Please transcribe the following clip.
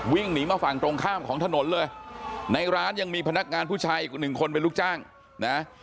วิ่งหนีมาฝั่งตรงข้ามของถนนเลยในร้านยังมีพนักงานผู้ชายอีกหนึ่งคนเป็นลูกจ้างนะ